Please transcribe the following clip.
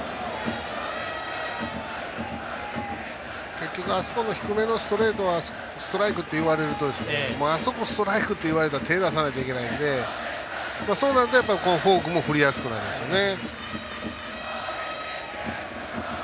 結局、あそこの低めのストレートをストライクっていわれるとあそこストライクって言われたら手を出さないといけないんでそうなると、フォークも振りやすくなりますよね。